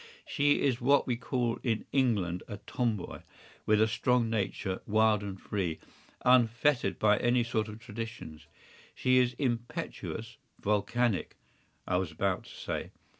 She is what we call in England a tomboy, with a strong nature, wild and free, unfettered by any sort of traditions. She is impetuous—volcanic, I was about to say.